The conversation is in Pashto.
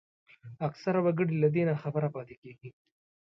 اکثره وګړي له دې ناخبره پاتېږي